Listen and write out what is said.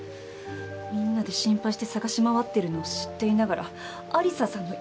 みんなで心配して捜し回ってるのを知っていながら有沙さんの居場所を黙ってた。